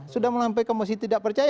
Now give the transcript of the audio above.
sudah sampai kemosi tidak percaya